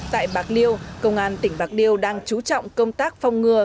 tại bạc liêu công an tỉnh bạc liêu đang chú trọng công tác phòng ngừa